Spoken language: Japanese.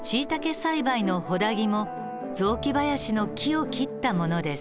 栽培のホダギも雑木林の木を切ったものです。